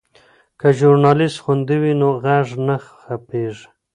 که ژورنالیست خوندي وي نو غږ نه خپیږي.